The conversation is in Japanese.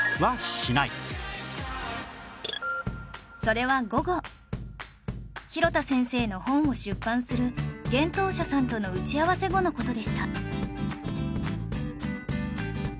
それは午後廣田先生の本を出版する幻冬舎さんとの打ち合わせ後の事でした